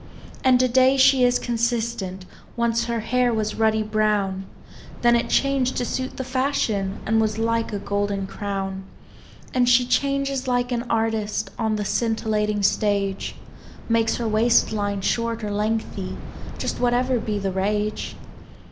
And today she is consistent; once her hair was ruddy brown, Then it changed to suit the fashion, and was like a golden crown; And she changes like an artist on the scintillating stage; Makes her waist line short or lengthy— just whatever be the rage.